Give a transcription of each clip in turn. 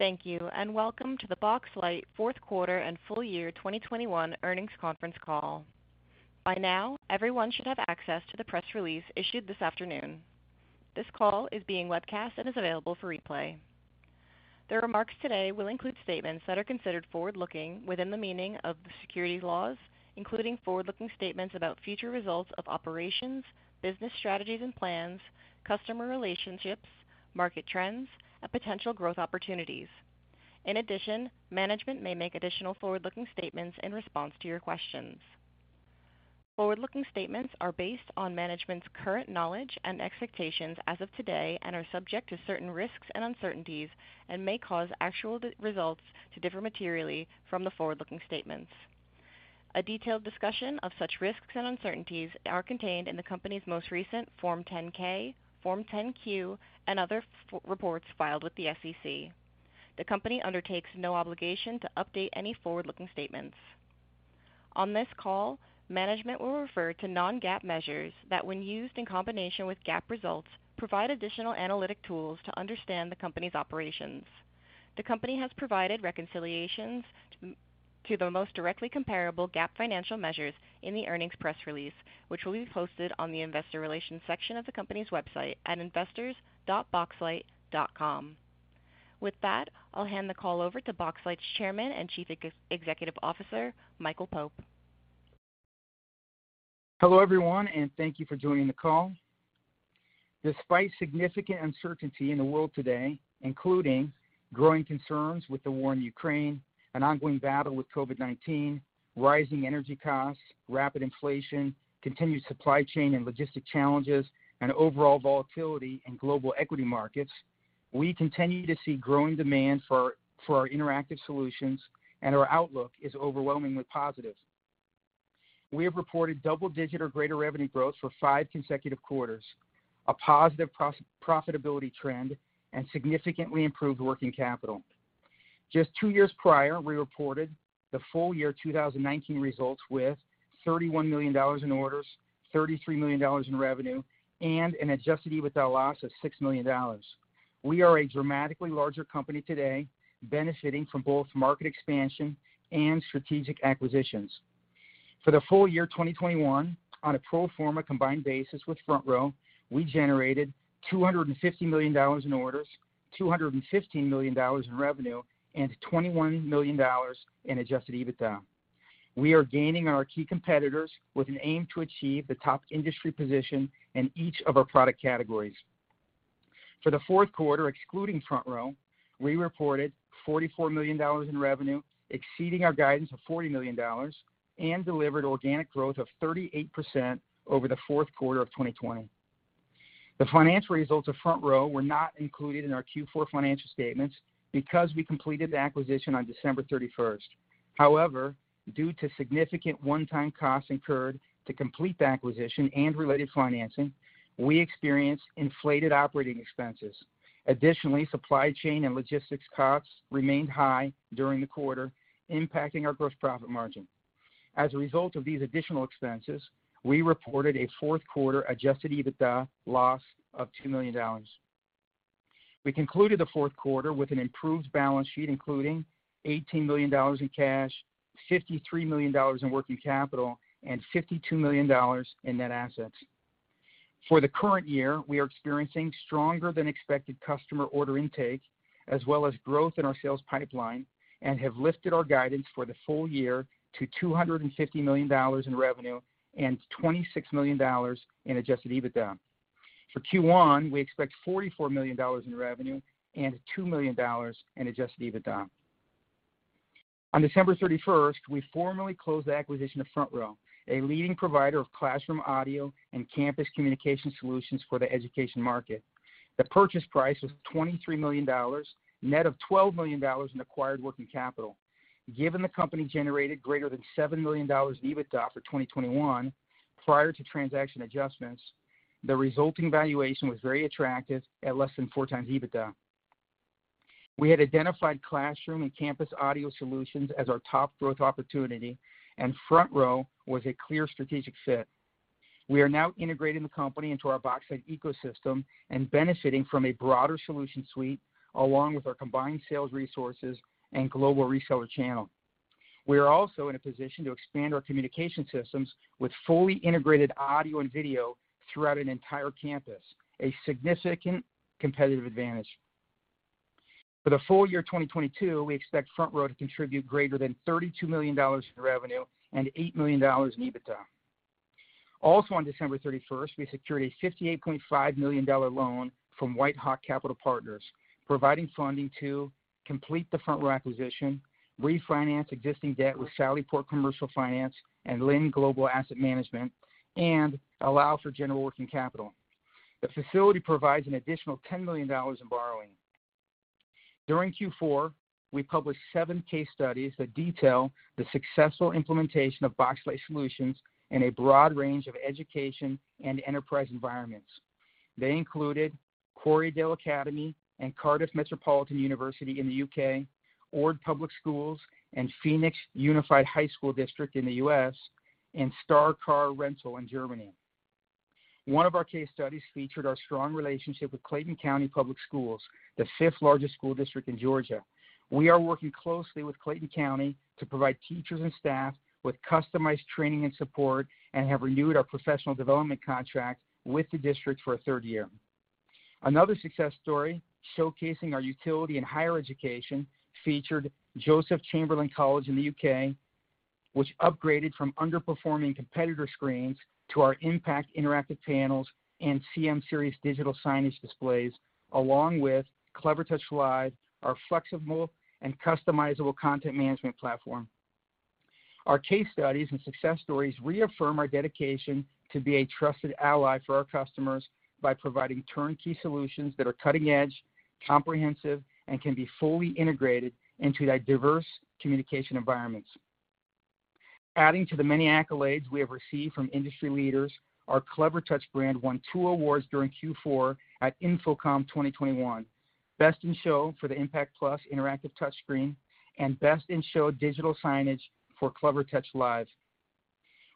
Thank you and welcome to the Boxlight fourth quarter and full year 2021 earnings conference call. By now, everyone should have access to the press release issued this afternoon. This call is being webcast and is available for replay. The remarks today will include statements that are considered forward-looking within the meaning of the securities laws, including forward-looking statements about future results of operations, business strategies and plans, customer relationships, market trends, and potential growth opportunities. In addition, management may make additional forward-looking statements in response to your questions. Forward-looking statements are based on management's current knowledge and expectations as of today and are subject to certain risks and uncertainties and may cause actual results to differ materially from the forward-looking statements. A detailed discussion of such risks and uncertainties are contained in the company's most recent Form 10-K, Form 10-Q, and other filings filed with the SEC. The company undertakes no obligation to update any forward-looking statements. On this call, management will refer to non-GAAP measures that, when used in combination with GAAP results, provide additional analytic tools to understand the company's operations. The company has provided reconciliations to the most directly comparable GAAP financial measures in the earnings press release, which will be posted on the investor relations section of the company's website at investors.boxlight.com. With that, I'll hand the call over to Boxlight's Chairman and Chief Executive Officer, Michael Pope. Hello, everyone, and thank you for joining the call. Despite significant uncertainty in the world today, including growing concerns with the war in Ukraine, an ongoing battle with COVID-19, rising energy costs, rapid inflation, continued supply chain and logistic challenges, and overall volatility in global equity markets, we continue to see growing demand for our interactive solutions and our outlook is overwhelmingly positive. We have reported double-digit or greater revenue growth for five consecutive quarters, a positive profitability trend, and significantly improved working capital. Just two years prior, we reported the full year 2019 results with $31 million in orders, $33 million in revenue, and an adjusted EBITDA loss of $6 million. We are a dramatically larger company today, benefiting from both market expansion and strategic acquisitions. For the full year 2021, on a pro forma combined basis with FrontRow, we generated $250 million in orders, $215 million in revenue, and $21 million in adjusted EBITDA. We are gaining on our key competitors with an aim to achieve the top industry position in each of our product categories. For the fourth quarter, excluding FrontRow, we reported $44 million in revenue, exceeding our guidance of $40 million, and delivered organic growth of 38% over the fourth quarter of 2020. The financial results of FrontRow were not included in our Q4 financial statements because we completed the acquisition on December 31st. However, due to significant one-time costs incurred to complete the acquisition and related financing, we experienced inflated operating expenses. Additionally, supply chain and logistics costs remained high during the quarter, impacting our gross profit margin. As a result of these additional expenses, we reported a fourth quarter adjusted EBITDA loss of $2 million. We concluded the fourth quarter with an improved balance sheet, including $18 million in cash, $53 million in working capital, and $52 million in net assets. For the current year, we are experiencing stronger than expected customer order intake, as well as growth in our sales pipeline, and have lifted our guidance for the full year to $250 million in revenue and $26 million in adjusted EBITDA. For Q1, we expect $44 million in revenue and $2 million in adjusted EBITDA. On December 31st, we formally closed the acquisition of FrontRow, a leading provider of classroom audio and campus communication solutions for the education market. The purchase price was $23 million, net of $12 million in acquired working capital. Given the company generated greater than $7 million in EBITDA for 2021 prior to transaction adjustments, the resulting valuation was very attractive at less than 4x EBITDA. We had identified classroom and campus audio solutions as our top growth opportunity, and FrontRow was a clear strategic fit. We are now integrating the company into our Boxlight ecosystem and benefiting from a broader solution suite along with our combined sales resources and global reseller channel. We are also in a position to expand our communication systems with fully integrated audio and video throughout an entire campus, a significant competitive advantage. For the full year 2022, we expect FrontRow to contribute greater than $32 million in revenue and $8 million in EBITDA. On December 31st, we secured a $58.5 million loan from WhiteHawk Capital Partners, providing funding to complete the FrontRow acquisition, refinance existing debt with Sallyport Commercial Finance and Lind Global Asset Management, and allow for general working capital. The facility provides an additional $10 million in borrowing. During Q4, we published seven case studies that detail the successful implementation of Boxlight solutions in a broad range of education and enterprise environments. They included Quarrydale Academy and Cardiff Metropolitan University in the U.K., Ord Public Schools and Phoenix Union High School District in the U.S., and StarCar Rental in Germany. One of our case studies featured our strong relationship with Clayton County Public Schools, the fifth-largest school district in Georgia. We are working closely with Clayton County to provide teachers and staff with customized training and support and have renewed our professional development contract with the district for a third year. Another success story showcasing our utility in higher education featured Joseph Chamberlain College in the U.K., which upgraded from underperforming competitor screens to our IMPACT interactive panels and CM series digital signage displays, along with CleverLive, our flexible and customizable content management platform. Our case studies and success stories reaffirm our dedication to be a trusted ally for our customers by providing turnkey solutions that are cutting edge, comprehensive, and can be fully integrated into their diverse communication environments. Adding to the many accolades we have received from industry leaders, our Clevertouch brand won two awards during Q4 at InfoComm 2021. Best in Show for the IMPACT Plus interactive touchscreen and Best in Show digital signage for CleverLive.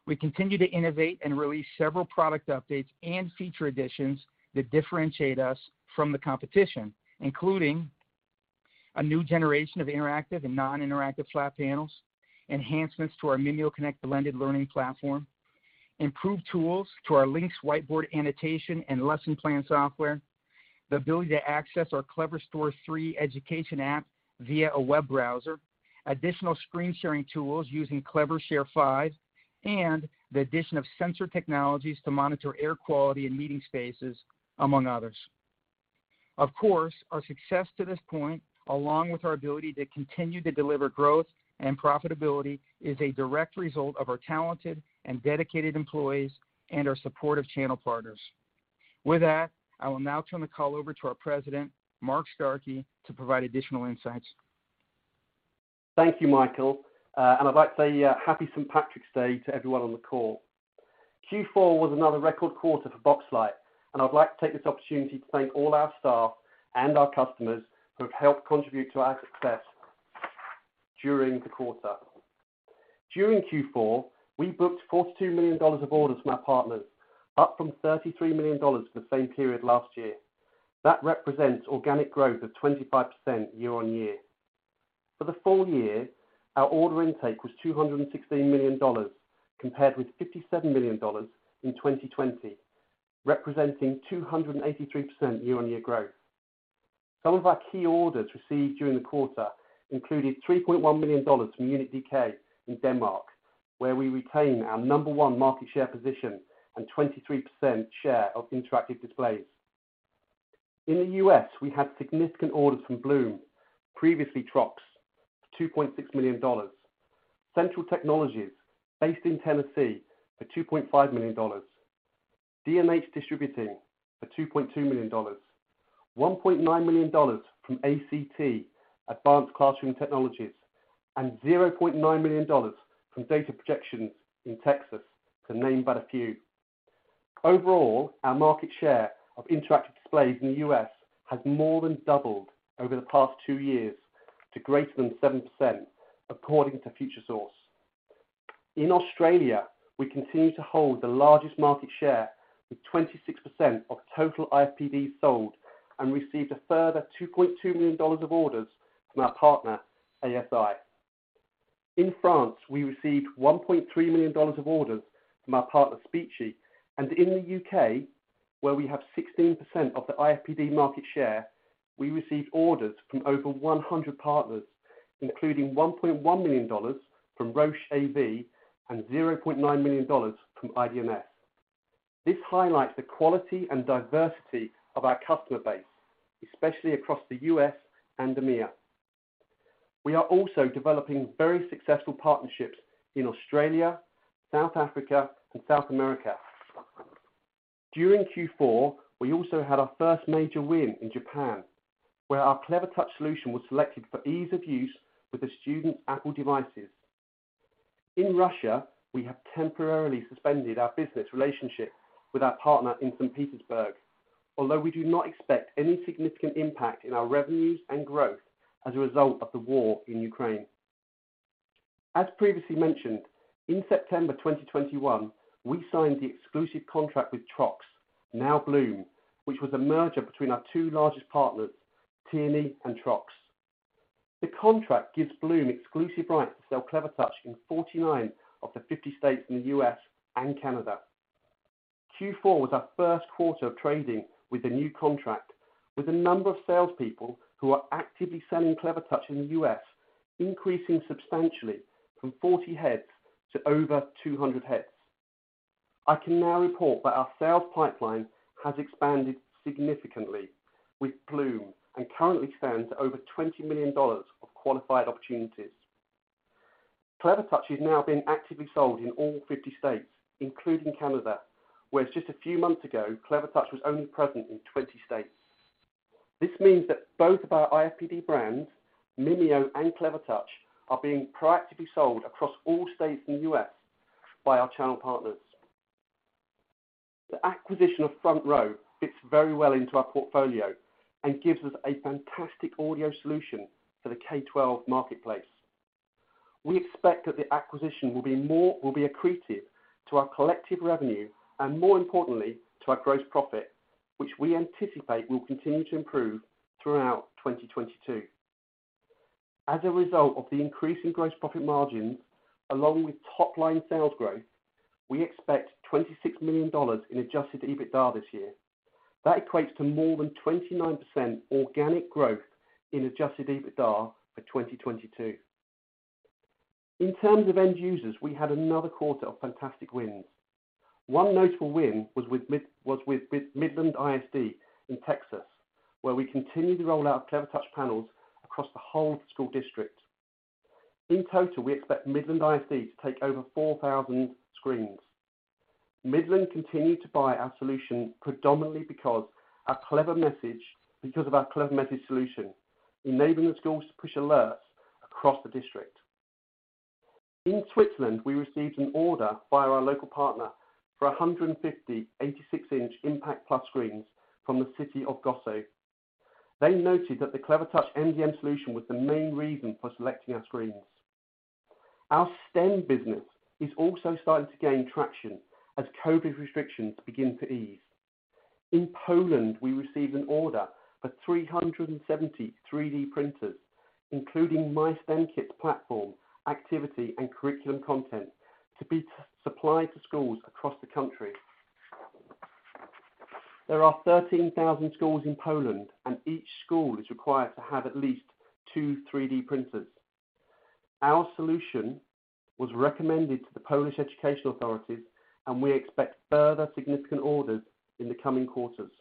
We continue to innovate and release several product updates and feature additions that differentiate us from the competition, including a new generation of interactive and non-interactive flat panels, enhancements to our MimioConnect blended learning platform, improved tools to our LYNX Whiteboard annotation and lesson plan software, the ability to access our Cleverstore 3.0 education app via a web browser, additional screen sharing tools using Clevershare 5, and the addition of sensor technologies to monitor air quality in meeting spaces, among others. Our success to this point, along with our ability to continue to deliver growth and profitability, is a direct result of our talented and dedicated employees and our supportive channel partners. With that, I will now turn the call over to our President, Mark Starkey, to provide additional insights. Thank you, Michael. I'd like to say Happy St. Patrick's Day to everyone on the call. Q4 was another record quarter for Boxlight, and I'd like to take this opportunity to thank all our staff and our customers who have helped contribute to our success during the quarter. During Q4, we booked $42 million of orders from our partners, up from $33 million for the same period last year. That represents organic growth of 25% year-on-year. For the full year, our order intake was $216 million, compared with $57 million in 2020, representing 283% year-on-year growth. Some of our key orders received during the quarter included $3.1 million from Unit.DK in Denmark, where we retain our number one market share position and 23% share of interactive displays. In the U.S., we had significant orders from Bluum, previously Trox, for $2.6 million. Central Technologies, based in Tennessee, for $2.5 million. D&H Distributing for $2.2 million. $1.9 million from ACT, Advanced Classroom Technologies. Zero point nine million dollars from Data Projections in Texas, to name but a few. Overall, our market share of interactive displays in the U.S. has more than doubled over the past two years to greater than 7%, according to Futuresource. In Australia, we continue to hold the largest market share with 26% of total IFPD sold and received a further $2.2 million of orders from our partner, ASI. In France, we received $1.3 million of orders from our partner Speechi. In the U.K., where we have 16% of the IFPD market share, we received orders from over 100 partners, including $1.1 million from Roche AV and $0.9 million from IBMS. This highlights the quality and diversity of our customer base, especially across the U.S. and EMEA. We are also developing very successful partnerships in Australia, South Africa, and South America. During Q4, we also had our first major win in Japan, where our Clevertouch solution was selected for ease of use with the student Apple devices. In Russia, we have temporarily suspended our business relationship with our partner in St. Petersburg. Although we do not expect any significant impact in our revenues and growth as a result of the war in Ukraine. As previously mentioned, in September 2021, we signed the exclusive contract with Trox, now Bluum, which was a merger between our two largest partners, Tierney and Trox. The contract gives Bluum exclusive rights to sell Clevertouch in 49 of the 50 states in the U.S. and Canada. Q4 was our first quarter of trading with the new contract, with a number of salespeople who are actively selling Clevertouch in the U.S., increasing substantially from 40 heads to over 200 heads. I can now report that our sales pipeline has expanded significantly with Bluum and currently stands at over $20 million of qualified opportunities. Clevertouch is now being actively sold in all 50 states, including Canada, where just a few months ago, Clevertouch was only present in 20 states. This means that both of our IFPD brands, Mimio and Clevertouch, are being proactively sold across all states in the U.S. by our channel partners. The acquisition of FrontRow fits very well into our portfolio and gives us a fantastic audio solution for the K-12 marketplace. We expect that the acquisition will be accretive to our collective revenue and more importantly to our gross profit, which we anticipate will continue to improve throughout 2022. As a result of the increase in gross profit margin, along with top line sales growth, we expect $26 million in adjusted EBITDA this year. That equates to more than 29% organic growth in adjusted EBITDA for 2022. In terms of end users, we had another quarter of fantastic wins. One notable win was with Midland ISD in Texas, where we continue to roll out Clevertouch panels across the whole school district. In total, we expect Midland ISD to take over 4,000 screens. Midland continued to buy our solution predominantly because of our CleverMessage solution, enabling the schools to push alerts across the district. In Switzerland, we received an order via our local partner for 150 86 in IMPACT Plus screens from the City of Gossau. They noted that the Clevertouch MDM solution was the main reason for selecting our screens. Our STEM business is also starting to gain traction as COVID restrictions begin to ease. In Poland, we received an order for 370 3D printers, including MyStemKits platform, activity and curriculum content to be supplied to schools across the country. There are 13,000 schools in Poland, and each school is required to have at least two 3D printers. Our solution was recommended to the Polish education authorities, and we expect further significant orders in the coming quarters.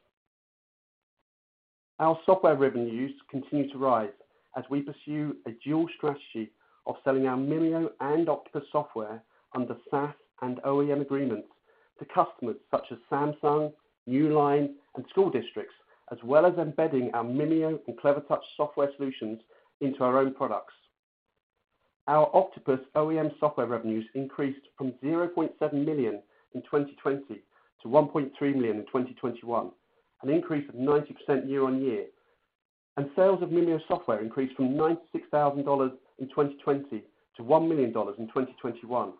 Our software revenues continue to rise as we pursue a dual strategy of selling our Mimio and OKTOPUS software under SaaS and OEM agreements to customers such as Samsung, Newline, and school districts, as well as embedding our Mimio and Clevertouch software solutions into our own products. Our OKTOPUS OEM software revenues increased from $0.7 million in 2020 to $1.3 million in 2021, an increase of 90% year-on-year. Sales of Mimio software increased from $96,000 in 2020 to $1 million in 2021,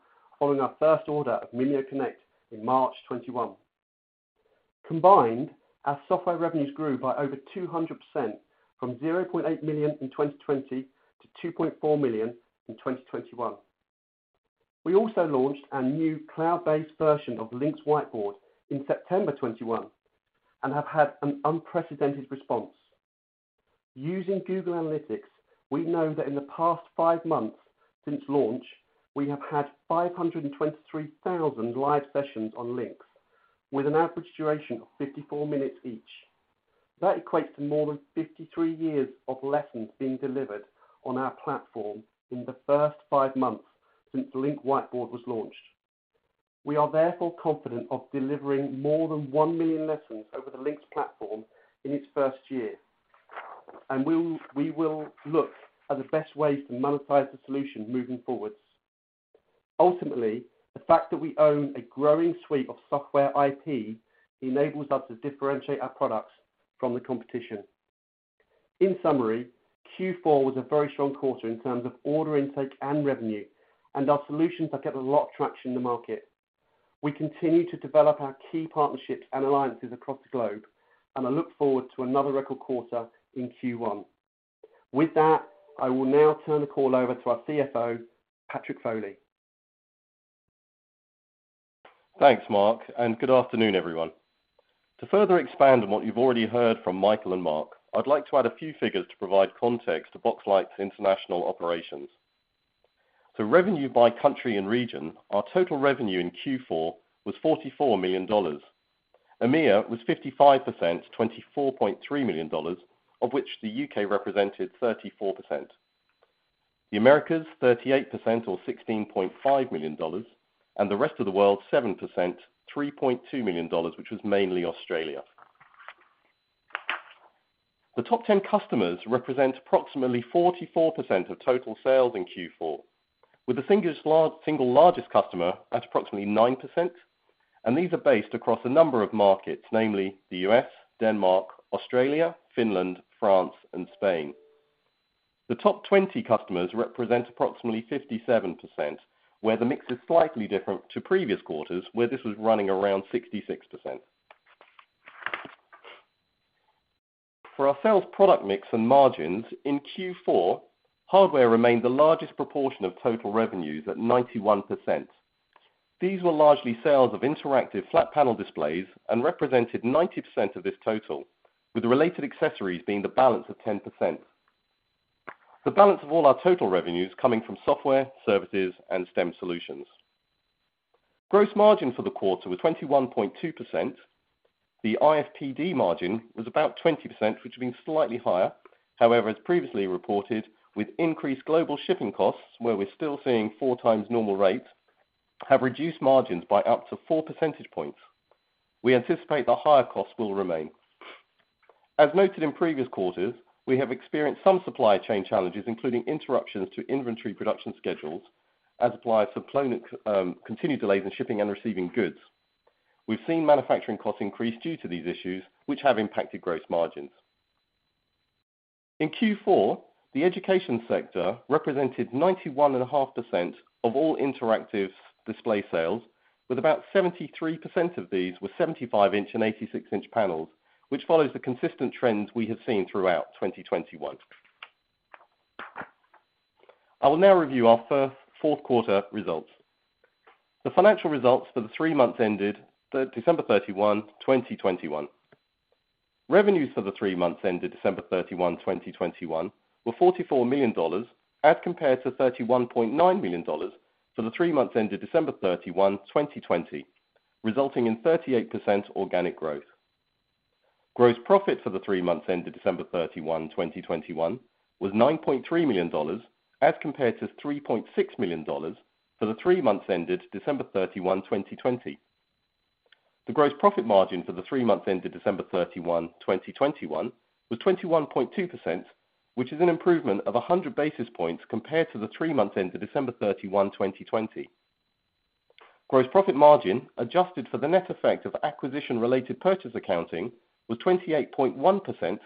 following our first order of MimioConnect in March 2021. Combined, our software revenues grew by over 200% from $0.8 million in 2020 to $2.4 million in 2021. We also launched our new cloud-based version of LYNX Whiteboard in September 2021 and have had an unprecedented response. Using Google Analytics, we know that in the past five months since launch, we have had 523,000 live sessions on LYNX with an average duration of 54 minutes each. That equates to more than 53 years of lessons being delivered on our platform in the first five months since LYNX Whiteboard was launched. We are therefore confident of delivering more than 1 million lessons over the LYNX platform in its first year, and we will look at the best ways to monetize the solution moving forward. Ultimately, the fact that we own a growing suite of software IP enables us to differentiate our products from the competition. In summary, Q4 was a very strong quarter in terms of order intake and revenue, and our solutions have gathered a lot of traction in the market. We continue to develop our key partnerships and alliances across the globe, and I look forward to another record quarter in Q1. With that, I will now turn the call over to our CFO, Patrick Foley. Thanks, Mark, and good afternoon, everyone. To further expand on what you've already heard from Michael and Mark, I'd like to add a few figures to provide context to Boxlight's international operations. Revenue by country and region, our total revenue in Q4 was $44 million. EMEA was 55%, $24.3 million, of which the U.K. represented 34%. The Americas, 38% or $16.5 million, and the rest of the world, 7%, $3.2 million, which was mainly Australia. The top 10 customers represent approximately 44% of total sales in Q4, with the single largest customer at approximately 9%, and these are based across a number of markets, namely the U.S., Denmark, Australia, Finland, France, and Spain. The top 20 customers represent approximately 57%, where the mix is slightly different to previous quarters, where this was running around 66%. For our sales product mix and margins, in Q4, hardware remained the largest proportion of total revenues at 91%. These were largely sales of interactive flat panel displays and represented 90% of this total, with the related accessories being the balance of 10%, the balance of all our total revenues coming from software, services, and STEM solutions. Gross margin for the quarter was 21.2%. The IFPD margin was about 20%, which has been slightly higher. However, as previously reported, with increased global shipping costs, where we're still seeing 4x normal rates, have reduced margins by up to 4% points. We anticipate the higher costs will remain. As noted in previous quarters, we have experienced some supply chain challenges, including interruptions to inventory production schedules as suppliers have continued delays in shipping and receiving goods. We've seen manufacturing costs increase due to these issues, which have impacted gross margins. In Q4, the education sector represented 91.5% of all interactive display sales with about 73% of these were 75 in and 86 in panels, which follows the consistent trends we have seen throughout 2021. I will now review our first fourth quarter results. The financial results for the three months ended December 31, 2021. Revenues for the three months ended December 31, 2021 were $44 million as compared to $31.9 million for the three months ended December 31, 2020, resulting in 38% organic growth. Gross profit for the three months ended December 31, 2021 was $9.3 million as compared to $3.6 million for the three months ended December 31, 2020. The gross profit margin for the three months ended December 31, 2021 was 21.2%, which is an improvement of 100 basis points compared to the three months ended December 31, 2020. Gross profit margin adjusted for the net effect of acquisition related purchase accounting was 28.1%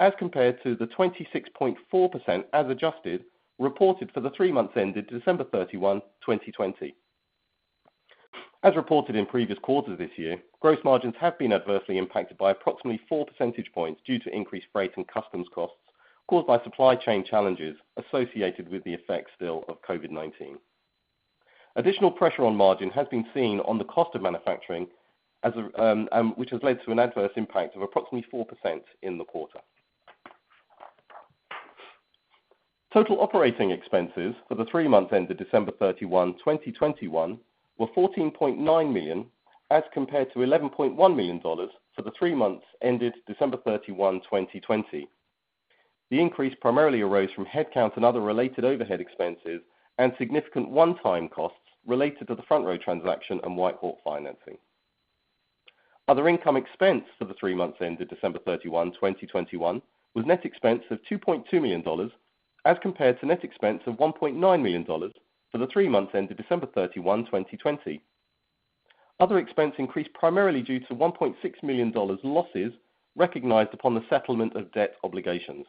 as compared to the 26.4% as adjusted, reported for the three months ended December 31, 2020. As reported in previous quarters this year, gross margins have been adversely impacted by approximately 4% points due to increased freight and customs costs caused by supply chain challenges associated with the effects still of COVID-19. Additional pressure on margin has been seen on the cost of manufacturing, which has led to an adverse impact of approximately 4% in the quarter. Total operating expenses for the three months ended December 31, 2021 were $14.9 million as compared to $11.1 million for the three months ended December 31, 2020. The increase primarily arose from headcount and other related overhead expenses and significant one-time costs related to the FrontRow transaction and WhiteHawk financing. Other income/expense for the three months ended December 31, 2021 was net expense of $2.2 million as compared to net expense of $1.9 million for the three months ended December 31, 2020. Other expense increased primarily due to $1.6 million in losses recognized upon the settlement of debt obligations.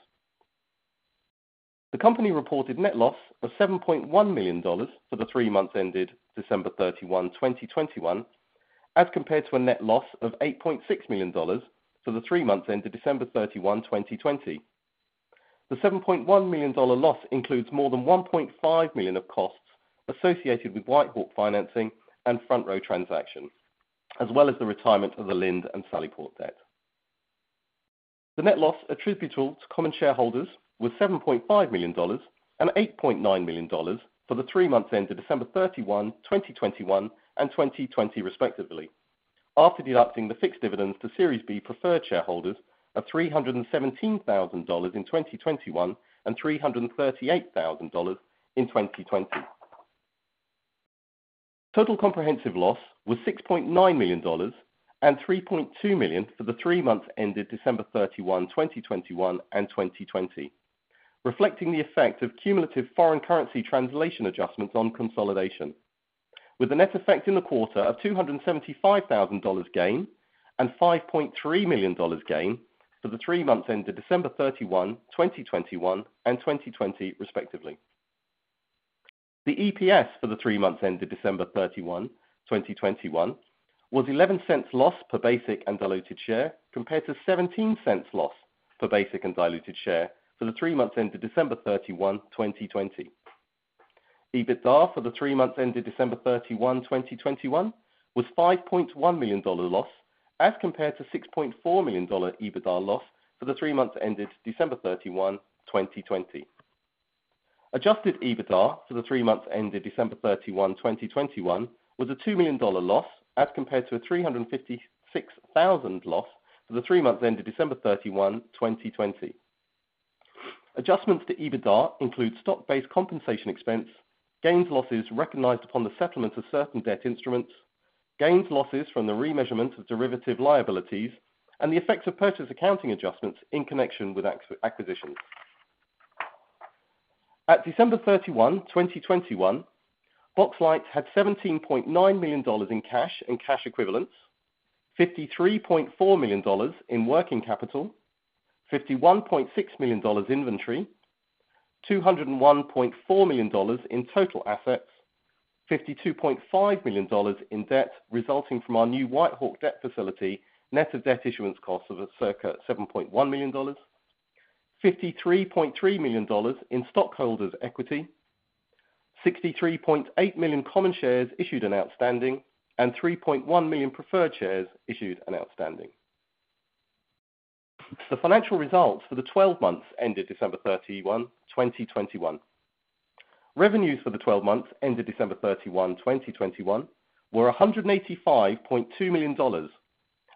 The company reported net loss of $7.1 million for the three months ended December 31, 2021, as compared to a net loss of $8.6 million for the three months ended December 31, 2020. The $7.1 million loss includes more than $1.5 million of costs associated with WhiteHawk financing and FrontRow transactions, as well as the retirement of the Lind and Sallyport debt. The net loss attributable to common shareholders was $7.5 million and $8.9 million for the three months ended December 31, 2021 and 2020 respectively, after deducting the fixed dividends to Series B preferred shareholders of $317,000 in 2021 and $338,000 in 2020. Total comprehensive loss was $6.9 million and $3.2 million for the three months ended December 31, 2021 and 2020, reflecting the effect of cumulative foreign currency translation adjustments on consolidation with a net effect in the quarter of $275,000 gain and $5.3 million gain for the three months ended December 31, 2021 and 2020 respectively. The EPS for the three months ended December 31, 2021 was $0.11 loss per basic and diluted share, compared to $0.17 loss per basic and diluted share for the three months ended December 31, 2020. EBITDA for the three months ended December 31, 2021 was $5.1 million loss as compared to $6.4 million EBITDA loss for the three months ended December 31, 2020. Adjusted EBITDA for the three months ended December 31, 2021 was a $2 million loss as compared to a $356,000 loss for the three months ended December 31, 2020. Adjustments to EBITDA include stock-based compensation expense, gains losses recognized upon the settlement of certain debt instruments, gains losses from the remeasurement of derivative liabilities, and the effects of purchase accounting adjustments in connection with acquisitions. At December 31, 2021, Boxlight had $17.9 million in cash and cash equivalents, $53.4 million in working capital, $51.6 million inventory, $201.4 million in total assets, $52.5 million in debt resulting from our new WhiteHawk debt facility, net of debt issuance costs of circa $7.1 million, $53.3 million in stockholders' equity, 63.8 million common shares issued and outstanding, and 3.1 million preferred shares issued and outstanding. The financial results for the 12 months ended December 31, 2021. Revenues for the 12 months ended December 31, 2021 were $185.2 million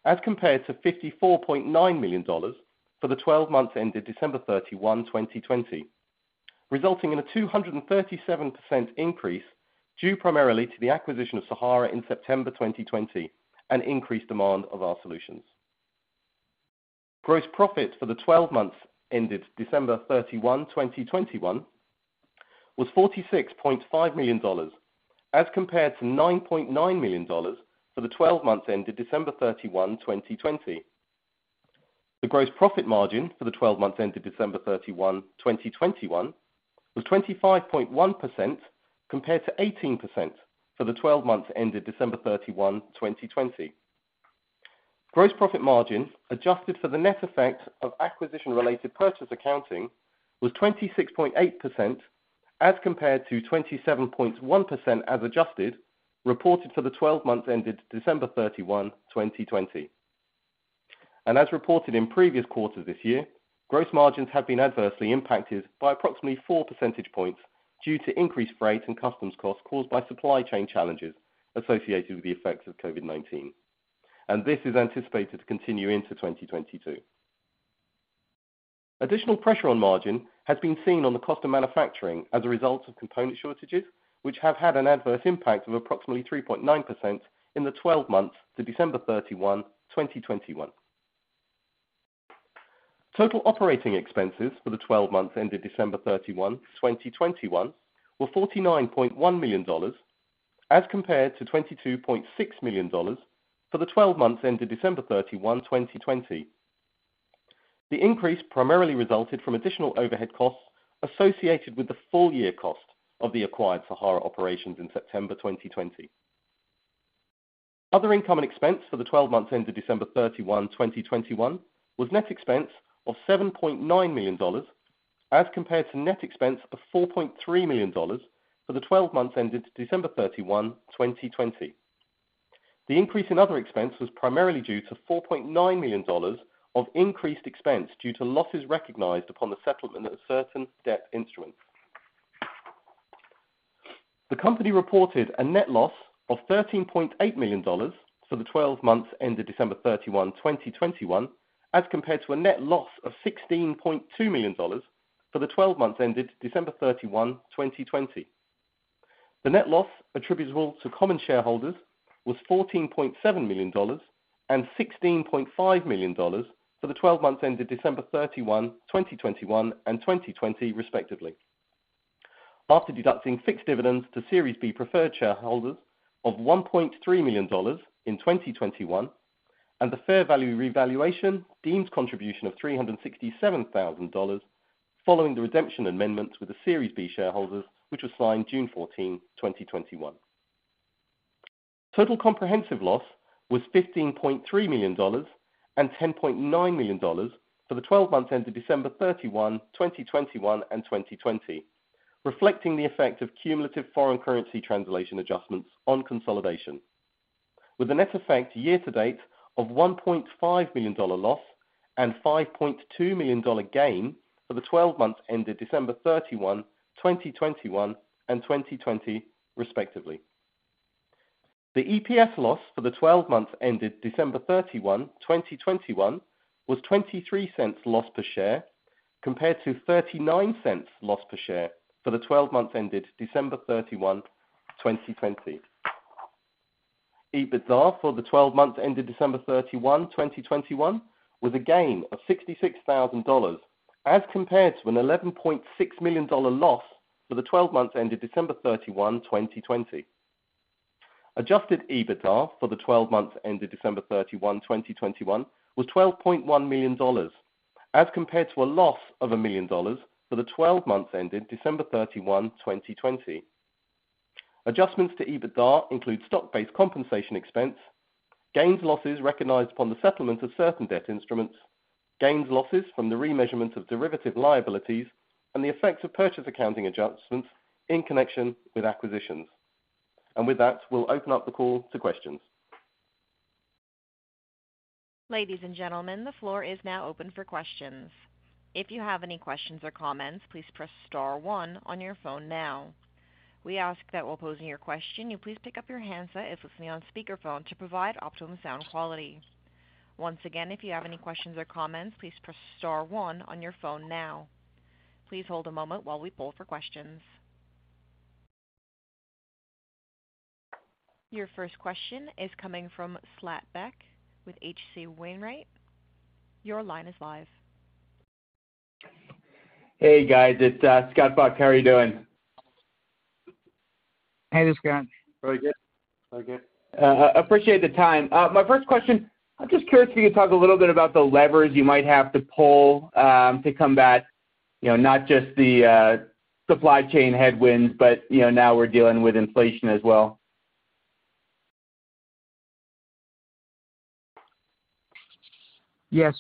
as compared to $54.9 million for the 12 months ended December 31, 2020, resulting in a 237% increase due primarily to the acquisition of Sahara in September 2020 and increased demand of our solutions. Gross profit for the 12 months ended December 31, 2021 was $46.5 million, as compared to $9.9 million for the 12 months ended December 31, 2020. The gross profit margin for the 12 months ended December 31, 2021 was 25.1% compared to 18% for the 12 months ended December 31, 2020. Gross profit margin adjusted for the net effect of acquisition-related purchase accounting was 26.8% as compared to 27.1% as adjusted reported for the 12 months ended December 31, 2020. As reported in previous quarters this year, gross margins have been adversely impacted by approximately 4% points due to increased freight and customs costs caused by supply chain challenges associated with the effects of COVID-19. This is anticipated to continue into 2022. Additional pressure on margin has been seen on the cost of manufacturing as a result of component shortages, which have had an adverse impact of approximately 3.9% in the 12 months to December 31, 2021. Total operating expenses for the 12 months ended December 31, 2021 were $49.1 million as compared to $22.6 million for the 12 months ended December 31, 2020. The increase primarily resulted from additional overhead costs associated with the full year cost of the acquired Sahara operations in September 2020. Other income and expense for the 12 months ended December 31, 2021 was net expense of $7.9 million as compared to net expense of $4.3 million for the 12 months ended December 31, 2020. The increase in other expense was primarily due to $4.9 million of increased expense due to losses recognized upon the settlement of certain debt instruments. The company reported a net loss of $13.8 million for the 12 months ended December 31, 2021, as compared to a net loss of $16.2 million for the 12 months ended December 31, 2020. The net loss attributable to common shareholders was $14.7 million and $16.5 million for the 12 months ended December 31, 2021 and 2020 respectively. After deducting fixed dividends to Series B preferred shareholders of $1.3 million in 2021 and the fair value revaluation deemed contribution of $367,000 following the redemption amendments with the Series B shareholders, which was signed June 14, 2021. Total comprehensive loss was $15.3 million and $10.9 million for the 12 months ended December 31, 2021 and 2020, reflecting the effect of cumulative foreign currency translation adjustments on consolidation. With a net effect year to date of $1.5 million loss and $5.2 million gain for the 12 months ended December 31, 2021 and 2020 respectively. The EPS loss for the 12 months ended December 31, 2021 was $0.23 loss per share compared to $0.39 loss per share for the 12 months ended December 31, 2020. EBITDA for the 12 months ended December 31, 2021 was a gain of $66,000 as compared to a $11.6 million loss for the 12 months ended December 31, 2020. Adjusted EBITDA for the 12 months ended December 31, 2021 was $12.1 million, as compared to a loss of $1 million for the 12 months ended December 31, 2020. Adjustments to EBITDA include stock-based compensation expense, gains and losses recognized upon the settlement of certain debt instruments, gains and losses from the remeasurement of derivative liabilities, and the effects of purchase accounting adjustments in connection with acquisitions. With that, we'll open up the call to questions. Ladies and gentlemen, the floor is now open for questions. If you have any questions or comments, please press star one on your phone now. We ask that while posing your question, you please pick up your handset if listening on speakerphone to provide optimum sound quality. Once again, if you have any questions or comments, please press star one on your phone now. Please hold a moment while we poll for questions. Your first question is coming from Scott Buck with H.C. Wainwright. Your line is live. Hey, guys. It's Scott Buck. How are you doing? Hey, Scott. Very good. Very good. Appreciate the time. My first question, I'm just curious if you could talk a little bit about the levers you might have to pull to combat, you know, not just the supply chain headwinds, but, you know, now we're dealing with inflation as well. Yeah.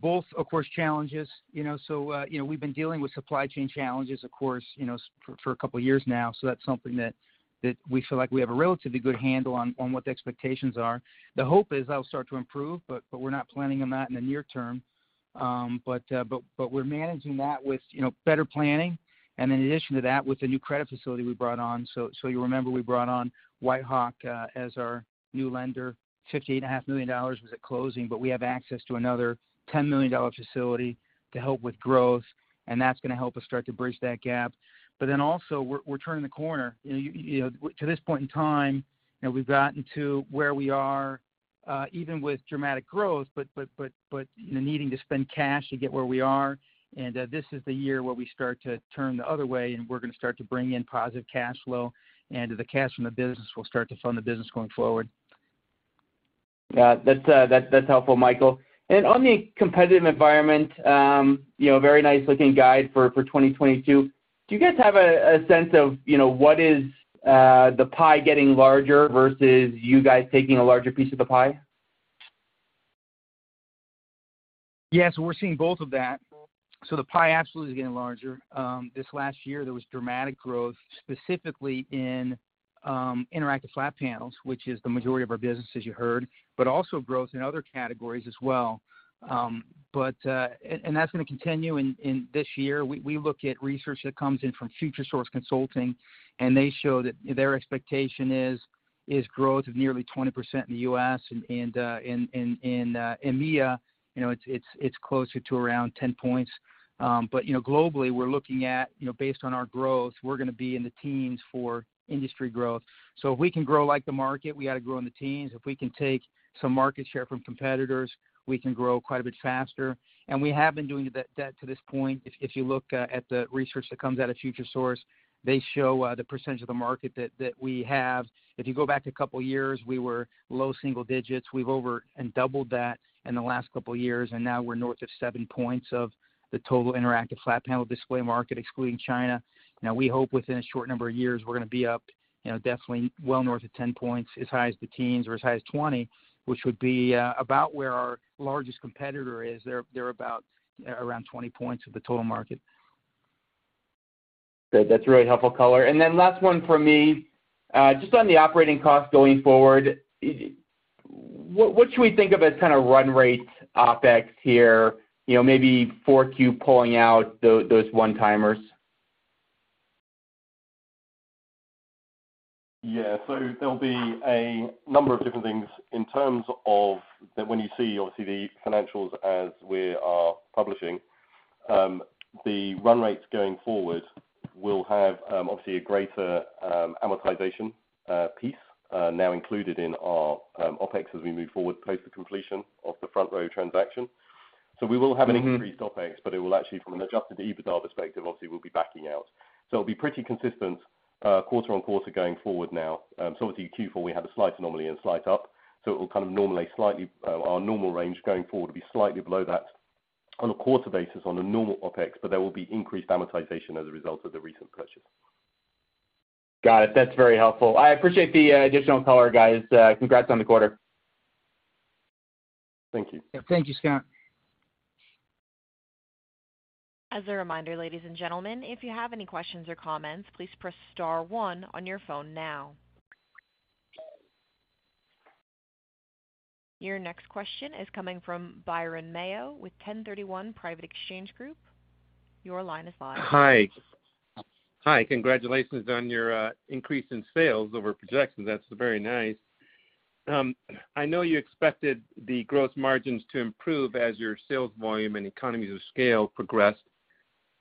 Both, of course, challenges. You know, we've been dealing with supply chain challenges, of course, you know, for a couple of years now. That's something that we feel like we have a relatively good handle on what the expectations are. The hope is that will start to improve, but we're not planning on that in the near term. But we're managing that with better planning and in addition to that, with the new credit facility we brought on. You remember we brought on WhiteHawk as our new lender. $58.5 million was at closing, but we have access to another $10 million facility to help with growth, and that's gonna help us start to bridge that gap. Also we're turning the corner. You know, to this point in time, you know, we've gotten to where we are, even with dramatic growth, but needing to spend cash to get where we are. This is the year where we start to turn the other way, and we're gonna start to bring in positive cash flow, and the cash from the business will start to fund the business going forward. Yeah. That's helpful, Michael. On the competitive environment, you know, very nice looking guide for 2022. Do you guys have a sense of, you know, what is the pie getting larger versus you guys taking a larger piece of the pie? Yeah. We're seeing both of that. The pie absolutely is getting larger. This last year, there was dramatic growth, specifically in interactive flat panels, which is the majority of our business, as you heard, but also growth in other categories as well. That's gonna continue in this year. We look at research that comes in from Futuresource Consulting, and they show that their expectation is growth of nearly 20% in the U.S. and in EMEA. It's closer to around 10 points. Globally, we're looking at, based on our growth, we're gonna be in the teens for industry growth. If we can grow like the market, we ought to grow in the teens. If we can take some market share from competitors, we can grow quite a bit faster. We have been doing that to this point. If you look at the research that comes out of Futuresource, they show the percentage of the market that we have. If you go back a couple years, we were low single digits. We've more than doubled that in the last couple years, and now we're north of 7% of the total interactive flat panel display market, excluding China. Now, we hope within a short number of years, we're gonna be up, you know, definitely well north of 10%, as high as the teens or as high as 20%, which would be about where our largest competitor is. They're about around 20% of the total market. Good. That's really helpful color. Last one from me. Just on the operating cost going forward, what should we think of as kind of run rate OpEx here, you know, maybe Q4 pulling out those one-timers? There'll be a number of different things in terms of that when you see obviously the financials as we are publishing, the run rates going forward will have obviously a greater amortization piece now included in our OpEx as we move forward post the completion of the FrontRow transaction. We will have an increased OpEx, it will actually from an adjusted EBITDA perspective, obviously we'll be backing out. It'll be pretty consistent, quarter-over-quarter going forward now. Obviously Q4, we had a slight anomaly and slight up, so it will kind of normally slightly, our normal range going forward will be slightly below that on a quarter basis on a normal OpEx, but there will be increased amortization as a result of the recent purchase. Got it. That's very helpful. I appreciate the, additional color, guys. Congrats on the quarter. Thank you. Yeah. Thank you, Scott. As a reminder, ladies and gentlemen, if you have any questions or comments, please press star one on your phone now. Your next question is coming from Byron Mayo with 1031 Private Exchange Group. Your line is live. Hi. Hi. Congratulations on your increase in sales over projections. That's very nice. I know you expected the gross margins to improve as your sales volume and economies of scale progressed.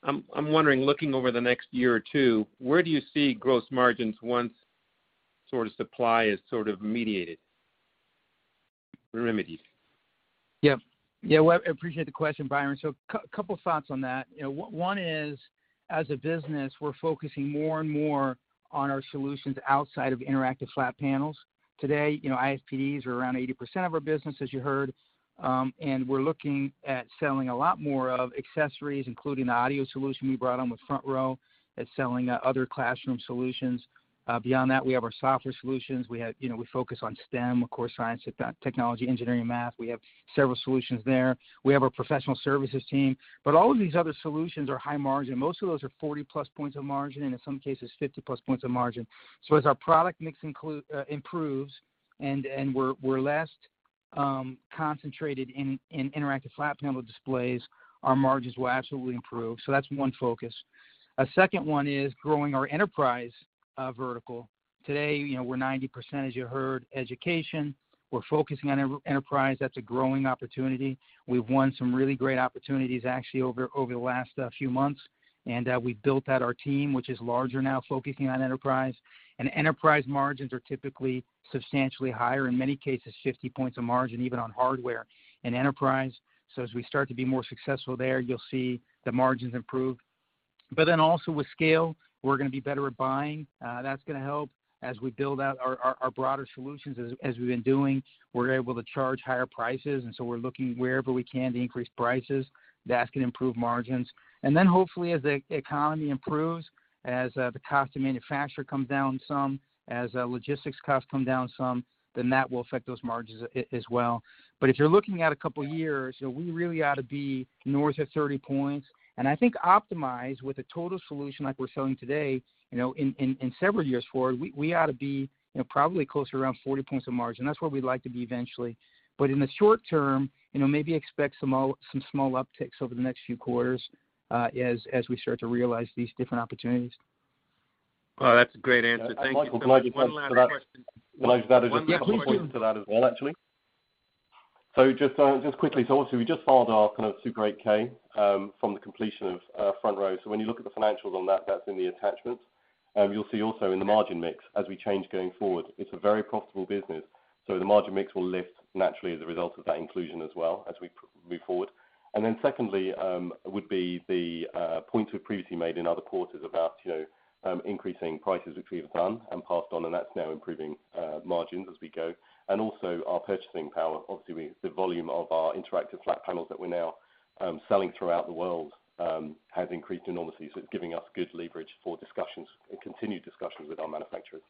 I'm wondering, looking over the next year or two, where do you see gross margins once sort of supply is sort of mitigated, remedied? Yeah. Yeah. Well, I appreciate the question, Byron. Couple thoughts on that. You know, one is, as a business, we're focusing more and more on our solutions outside of interactive flat panels. Today, you know, IFPDs are around 80% of our business, as you heard. We're looking at selling a lot more of accessories, including the audio solution we brought on with FrontRow, that's selling other classroom solutions. Beyond that, we have our software solutions. We have, you know, we focus on STEM, of course, science, technology, engineering, math. We have several solutions there. We have our professional services team. But all of these other solutions are high margin. Most of those are 40+ points of margin, and in some cases 50+ points of margin. As our product mix improves and we're less concentrated in interactive flat panel displays, our margins will absolutely improve. That's one focus. A second one is growing our enterprise vertical. Today, you know, we're 90%, as you heard, education. We're focusing on enterprise. That's a growing opportunity. We've won some really great opportunities actually over the last few months. We've built out our team, which is larger now focusing on enterprise. Enterprise margins are typically substantially higher, in many cases, 50 points of margin, even on hardware and enterprise. As we start to be more successful there, you'll see the margins improve. Also with scale, we're gonna be better at buying. That's gonna help. As we build out our broader solutions as we've been doing, we're able to charge higher prices, and so we're looking wherever we can to increase prices. That's gonna improve margins. Then hopefully as the economy improves, as the cost to manufacture comes down some, as logistics costs come down some, then that will affect those margins as well. If you're looking at a couple years, you know, we really ought to be north of 30%. I think optimized with a total solution like we're selling today, you know, in several years forward, we ought to be, you know, probably closer around 40% margin. That's where we'd like to be eventually. In the short term, you know, maybe expect some small upticks over the next few quarters, as we start to realize these different opportunities. Well, that's a great answer. Thank you. Michael, can I just answer that? One last question. Can I just add a couple more things to that as well, actually? Just quickly. Obviously we just filed our kind of Super 8-K from the completion of FrontRow. When you look at the financials on that's in the attachments. You'll see also in the margin mix as we change going forward, it's a very profitable business. The margin mix will lift naturally as a result of that inclusion as well as we move forward. Then secondly, would be the point we previously made in other quarters about, you know, increasing prices, which we have done and passed on, and that's now improving margins as we go. Also our purchasing power. Obviously, the volume of our interactive flat panels that we're now selling throughout the world has increased enormously, so it's giving us good leverage for discussions and continued discussions with our manufacturers.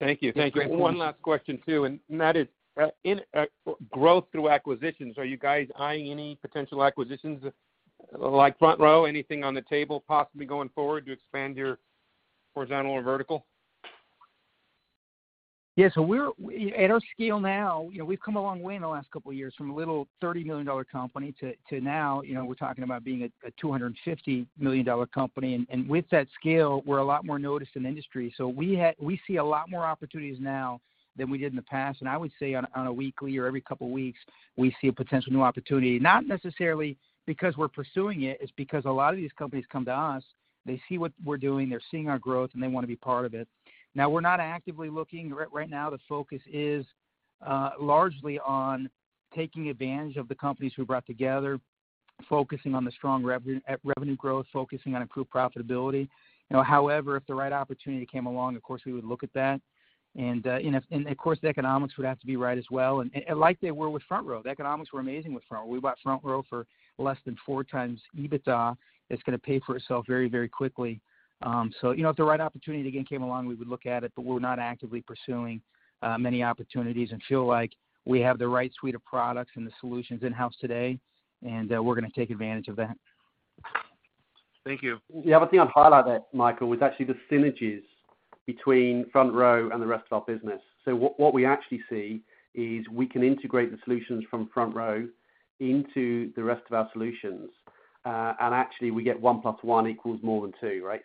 Thank you. One last question too, and that is, in growth through acquisitions, are you guys eyeing any potential acquisitions like FrontRow? Anything on the table possibly going forward to expand your horizontal or vertical? Yeah. At our scale now, you know, we've come a long way in the last couple of years from a little $30 million company to now, you know, we're talking about being a $250 million company. With that scale, we're a lot more noticed in the industry. We see a lot more opportunities now than we did in the past. I would say on a weekly or every couple of weeks, we see a potential new opportunity, not necessarily because we're pursuing it. It's because a lot of these companies come to us, they see what we're doing, they're seeing our growth, and they want to be part of it. Now, we're not actively looking. Right now, the focus is largely on taking advantage of the companies we brought together, focusing on the strong revenue growth, focusing on improved profitability. You know, however, if the right opportunity came along, of course, we would look at that. Of course, the economics would have to be right as well. Like they were with FrontRow, the economics were amazing with FrontRow. We bought FrontRow for less than 4x EBITDA. It's going to pay for itself very, very quickly. You know, if the right opportunity again came along, we would look at it, but we're not actively pursuing many opportunities and feel like we have the right suite of products and the solutions in-house today, and we're going to take advantage of that. Thank you. The other thing I'd highlight there, Michael, was actually the synergies between Front Row and the rest of our business. What we actually see is we can integrate the solutions from Front Row into the rest of our solutions. And actually we get one plus one equals more than two, right?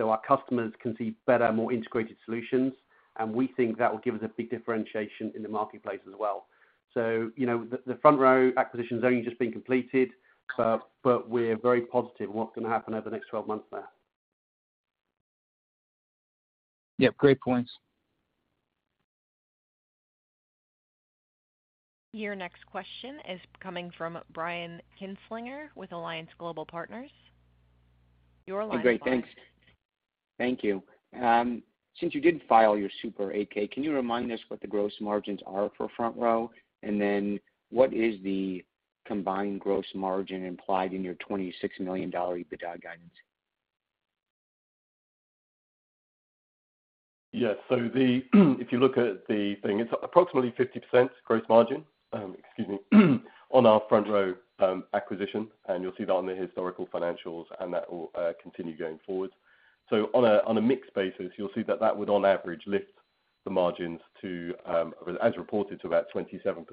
Our customers can see better, more integrated solutions, and we think that will give us a big differentiation in the marketplace as well. You know, the Front Row acquisition has only just been completed, but we're very positive what's going to happen over the next 12 months there. Yep, great points. Your next question is coming from Brian Kinstlinger with Alliance Global Partners. You're unmuted, Brian. Great. Thanks. Thank you. Since you did file your Super 8-K, can you remind us what the gross margins are for FrontRow? What is the combined gross margin implied in your $26 million EBITDA guidance? Yes. If you look at the thing, it's approximately 50% gross margin, excuse me, on our FrontRow acquisition, and you'll see that on the historical financials, and that will continue going forward. On a mix basis, you'll see that that would on average lift the margins to as reported to about 27%.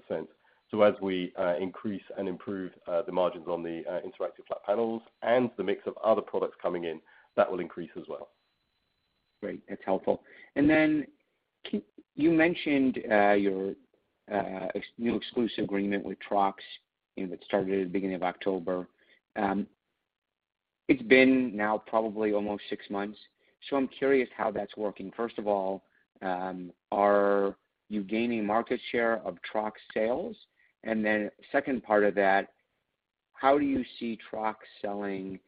As we increase and improve the margins on the interactive flat panels and the mix of other products coming in, that will increase as well. Great. That's helpful. You mentioned your new exclusive agreement with Trox that started at the beginning of October. It's been now probably almost six months, so I'm curious how that's working. First of all, are you gaining market share of Trox sales? Second part of that, how do you see Trox selling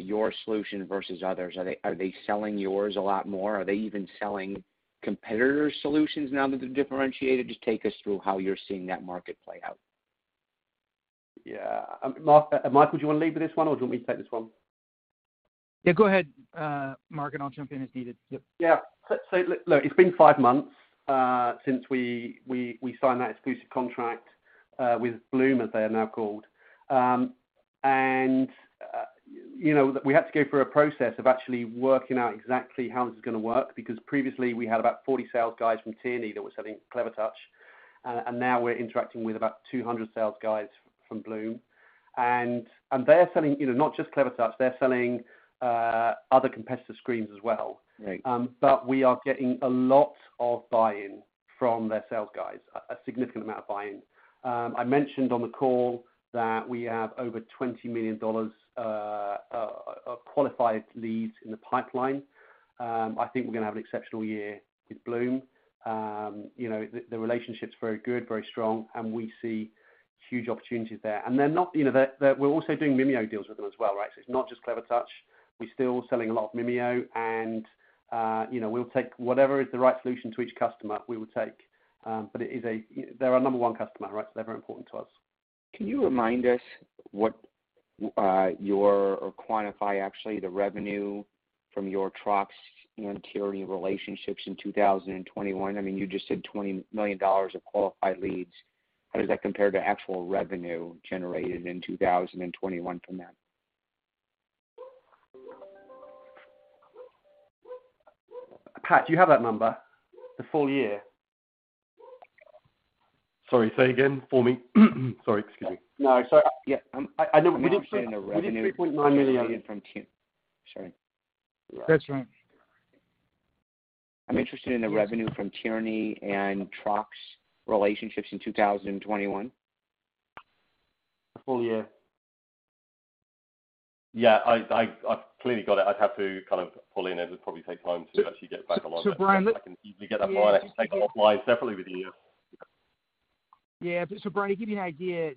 your solution versus others? Are they selling yours a lot more? Are they even selling competitors' solutions now that they're differentiated? Just take us through how you're seeing that market play out. Yeah. Michael, do you want to lead with this one or do you want me to take this one? Yeah, go ahead, Mark, and I'll jump in as needed. Yeah. Look, it's been five months since we signed that exclusive contract with Bluum, as they are now called. You know, we had to go through a process of actually working out exactly how this is going to work, because previously we had about 40 sales guys from Tierney that were selling Clevertouch, and now we're interacting with about 200 sales guys from Bluum. They're selling, you know, not just Clevertouch, they're selling other competitive screens as well. Right. We are getting a lot of buy-in from their sales guys, a significant amount of buy-in. I mentioned on the call that we have over $20 million qualified leads in the pipeline. I think we're gonna have an exceptional year with Bluum. You know, the relationship's very good, very strong, and we see huge opportunities there. You know, we're also doing Mimio deals with them as well, right? So it's not just Clevertouch. We're still selling a lot of Mimio and, you know, we'll take whatever is the right solution to each customer we will take. They're our number one customer, right? They're very important to us. Can you remind us what or quantify actually the revenue from your Trox and Tierney relationships in 2021? I mean, you just said $20 million of qualified leads. How does that compare to actual revenue generated in 2021 from that? Pat, do you have that number? The full year. Sorry, say again for me. Sorry. Excuse me. No. Sorry. Yeah, I did- Revenue from Tierney. Sorry. That's right. I'm interested in the revenue from Tierney and Trox relationships in 2021. The full year. Yeah. I've clearly got it. I'd have to kind of pull in, as it'd probably take time to actually get back a lot. Brian, You get that offline. I'll take it offline separately with you. Yeah. Yeah. Brian, to give you an idea,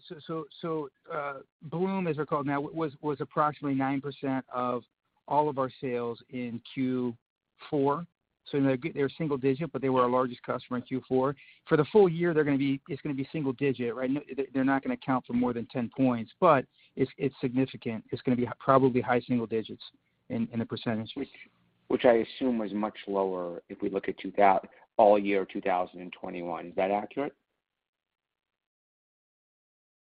Bluum, as they're called now, was approximately 9% of all of our sales in Q4. They're single-digit, but they were our largest customer in Q4. For the full year, they're gonna be. It's gonna be single-digit, right? They're not gonna account for more than 10 points. But it's significant. It's gonna be probably high single digits in a percentage. Which I assume was much lower if we look at all year 2021. Is that accurate?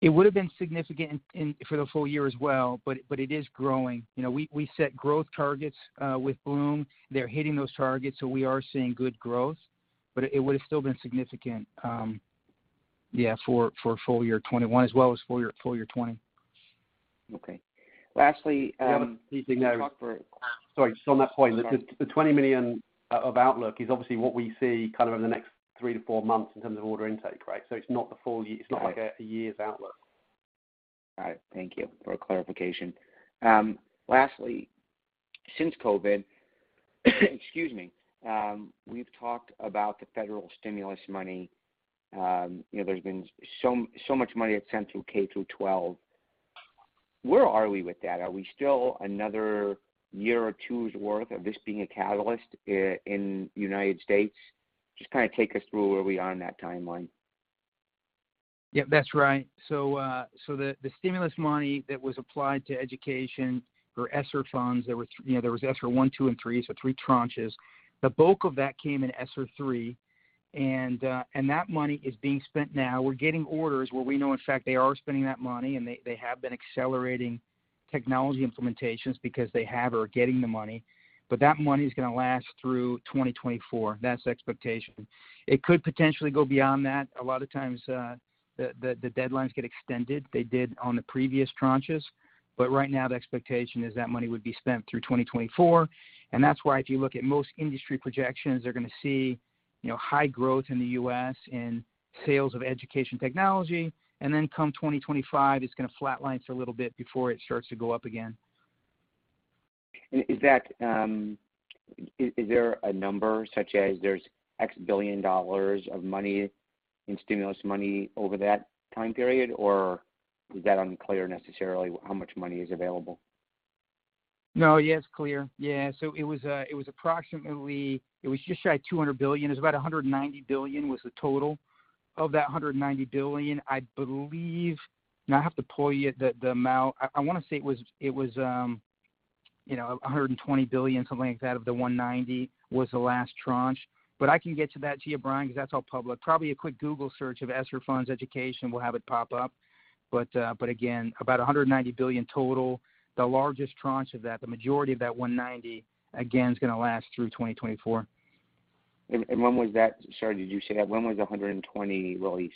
It would have been significant for the full year as well, but it is growing. You know, we set growth targets with Bluum. They're hitting those targets, so we are seeing good growth. It would have still been significant for full year 2021 as well as full year 2020. Okay. Lastly. The other key thing there. Talk through- Sorry, just on that point. The $20 million outlook is obviously what we see kind of in the next 3 to 4 months in terms of order intake, right? It's not the full year. Yeah. It's not like a year's outlook. All right. Thank you for clarification. Lastly, since COVID, excuse me, we've talked about the federal stimulus money. You know, there's been so much money that's sent through K-12. Where are we with that? Are we still another year or two's worth of this being a catalyst in United States? Just kinda take us through where we are in that timeline. Yeah, that's right. The stimulus money that was applied to education for ESSER funds, there was, you know, ESSER I, II, and III, so three tranches. The bulk of that came in ESSER III, and that money is being spent now. We're getting orders where we know, in fact, they are spending that money, and they have been accelerating technology implementations because they have or are getting the money. That money is gonna last through 2024. That's the expectation. It could potentially go beyond that. A lot of times, the deadlines get extended. They did on the previous tranches. Right now, the expectation is that money would be spent through 2024, and that's why if you look at most industry projections, they're gonna see, you know, high growth in the U.S. in sales of education technology. Then come 2025, it's gonna flatline for a little bit before it starts to go up again. Is there a number such as there's $X billion of money in stimulus money over that time period, or is that unclear necessarily how much money is available? No. Yeah, it's clear. Yeah. It was just shy of $200 billion. It was about $190 billion was the total. Of that $190 billion, I believe, now I have to pull up the amount. I wanna say it was $120 billion, something like that, of the $190 billion was the last tranche. I can get that to you, Brian, 'cause that's all public. Probably a quick Google search of ESSER funds education will have it pop up. Again, about $190 billion total. The largest tranche of that, the majority of that $190 billion, again, is gonna last through 2024. When was that? Sorry, did you say that? When was the $120 billion released?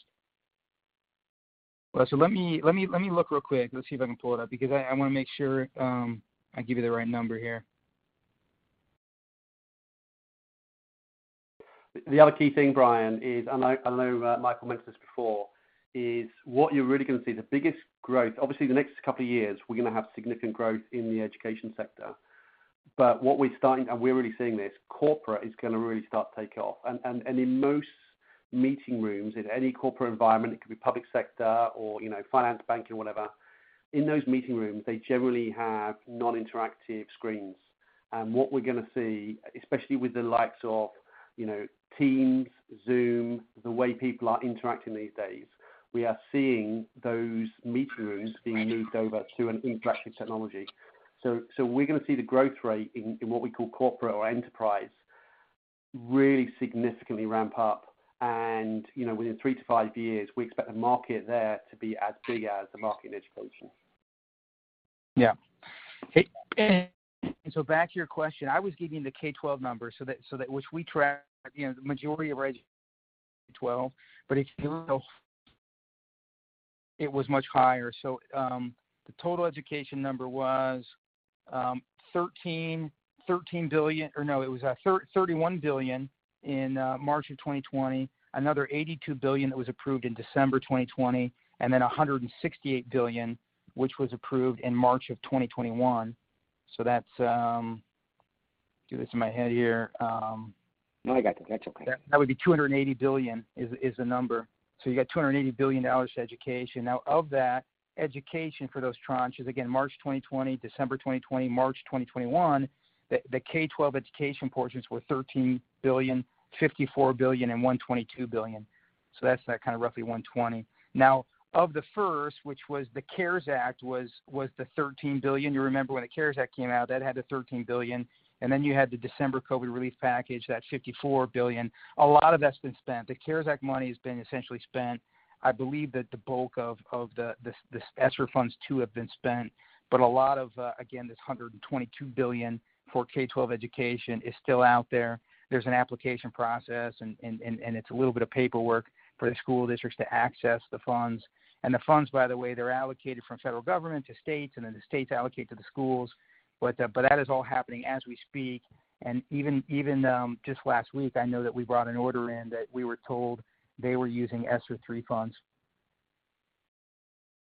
Let me look real quick. Let's see if I can pull it up because I wanna make sure I give you the right number here. The other key thing, Brian, is, Michael mentioned this before, is what you're really gonna see the biggest growth. Obviously, the next couple of years, we're gonna have significant growth in the education sector. What we're starting, and we're really seeing this, corporate is gonna really start to take off. In most meeting rooms in any corporate environment, it could be public sector or, you know, finance, banking, whatever. In those meeting rooms, they generally have non-interactive screens. What we're gonna see, especially with the likes of, you know, Teams, Zoom, the way people are interacting these days, we are seeing those meeting rooms being moved over to an interactive technology. We're gonna see the growth rate in what we call corporate or enterprise really significantly ramp up. You know, within three to five years, we expect the market there to be as big as the market in education. Back to your question. I was giving the K-12 numbers so that which we track, you know, the majority of our K-12, but if you will it was much higher. The total education number was $31 billion in March of 2020, another $82 billion that was approved in December 2020, and then $168 billion, which was approved in March of 2021. No, I got it. That's okay. That would be $280 billion is the number. You got $280 billion to education. Now of that, education for those tranches, again, March 2020, December 2020, March 2021, the K-12 education portions were $13 billion, $54 billion and $122 billion. That's that kind of roughly $120 billion. Now, of the first, which was the CARES Act, was the $13 billion. You remember when the CARES Act came out, that had the $13 billion, and then you had the December COVID relief package, that $54 billion. A lot of that's been spent. The CARES Act money has been essentially spent. I believe that the bulk of the ESSER II funds have been spent. A lot of, again, this $122 billion for K-12 education is still out there. There's an application process and it's a little bit of paperwork for the school districts to access the funds. The funds, by the way, they're allocated from the federal government to states, and then the states allocate to the schools. That is all happening as we speak. Even just last week, I know that we brought an order in that we were told they were using ESSER III funds.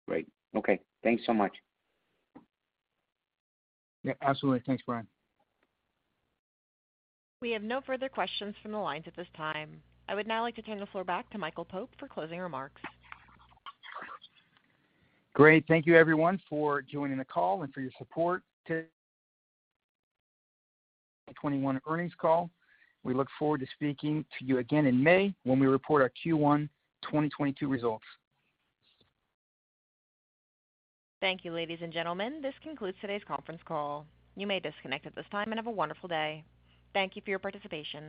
Great. Okay. Thanks so much. Yeah, absolutely. Thanks, Brian. We have no further questions from the lines at this time. I would now like to turn the floor back to Michael Pope for closing remarks. Great. Thank you everyone for joining the call and for your support to the 2021 earnings call. We look forward to speaking to you again in May when we report our Q1 2022 results. Thank you, ladies and gentlemen. This concludes today's conference call. You may disconnect at this time and have a wonderful day. Thank you for your participation.